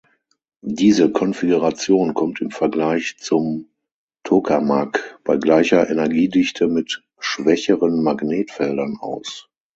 Diese Konfiguration kommt im Vergleich zum Tokamak bei gleicher Energiedichte mit schwächeren Magnetfeldern aus.